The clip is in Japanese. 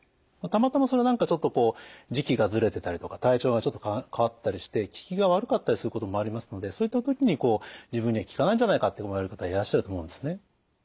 たまたま何かちょっとこう時期がずれてたりとか体調がちょっと変わってたりして効きが悪かったりすることもありますのでそういった時にこう自分には効かないんじゃないかって思われる方いらっしゃると思うんですね。